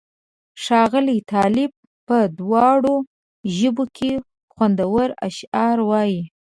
ښاغلی طالب په دواړو ژبو کې خوندور اشعار وایي.